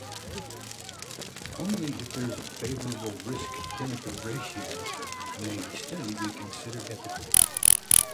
Only if there is a favorable risk-benefit ratio may a study be considered ethical.